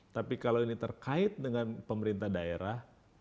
tapi kalau ini terkait dengan pemerintah daerah